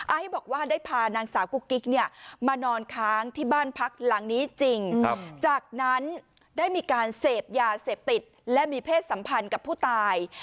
บอกว่าได้พานางสาวกุ๊กกิ๊กเนี่ยมานอนค้างที่บ้านพักหลังนี้จริงจากนั้นได้มีการเสพยาเสพติดและมีเพศสัมพันธ์กับผู้ตาย